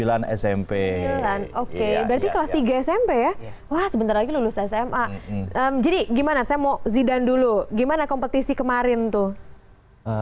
oke berarti kelas tiga smp ya wah sebentar lagi lulus sma jadi gimana saya mau zidan dulu gimana kompetisi kemarin tuh